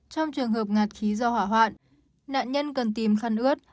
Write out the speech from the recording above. trong trường hợp ngạt khí do hỏa hoạn nạn nhân cần tìm khăn ướt